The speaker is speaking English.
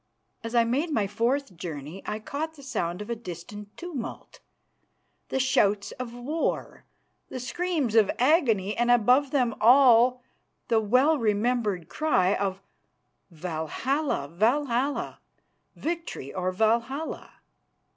As I made my fourth journey I caught the sound of a distant tumult, the shouts of war, the screams of agony, and above them all the well remembered cry of "_Valhalla! Valhalla! Victory or Valhalla!